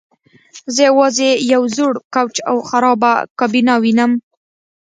زه یوازې یو زوړ کوچ او خرابه کابینه وینم